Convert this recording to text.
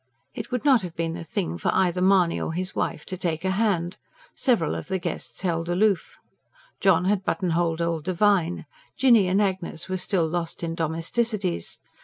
It would not have been the thing for either Mahony or his wife to take a hand; several of the guests held aloof. John had buttonholed old Devine; Jinny and Agnes were still lost in domesticities.